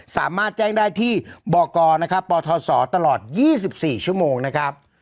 สามารถแจ้งได้ที่บกนะครับปทศตลอด๒๔ชั่วโมงนะครับ